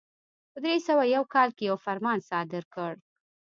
په درې سوه یو کال کې یو فرمان صادر کړ.